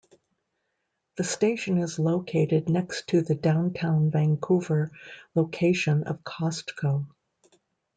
The station is located next to the Downtown Vancouver location of Costco.